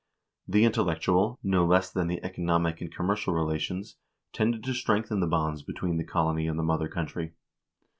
The intellectual, no less than the economic and commercial relations, tended to strengthen the bonds between the colony and the mother country.